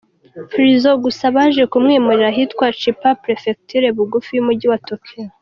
prison, gusa baje kumwimurira ahitwa Chiba Prefecture bugufi yumujyi wa Tokyo.